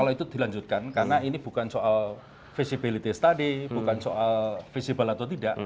kalau itu dilanjutkan karena ini bukan soal visibility study bukan soal visible atau tidak